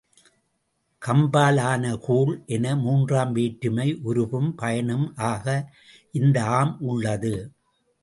கம்பால் ஆன கூழ் என மூன்றாம் வேற்றுமை உருபும் பயனும் ஆக இந்த அம் உள்ளது.